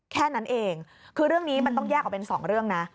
แค่นั้นเองคือเรื่องนี้มันต้องแยกออกเป็น๒เรื่องนะ